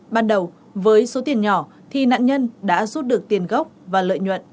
ban đầu với số tiền nhỏ thì nạn nhân đã rút được tiền gốc và lợi nhuận